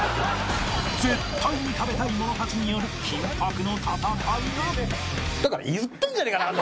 絶対に食べたい者たちによる緊迫の戦いがだから言ってんじゃねえか何度も！